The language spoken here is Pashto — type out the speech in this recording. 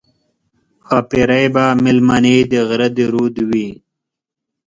ښاپېرۍ به مېلمنې د غره د رود وي